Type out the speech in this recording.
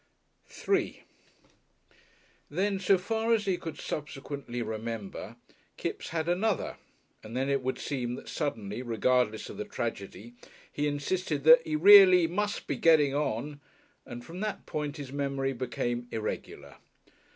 §3 Then so far as he could subsequently remember, Kipps had "another," and then it would seem that suddenly, regardless of the tragedy, he insisted that he "reelly must be getting on," and from that point his memory became irregular.